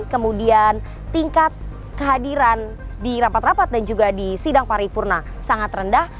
kemudian tingkat kehadiran di rapat rapat dan juga di sidang paripurna sangat rendah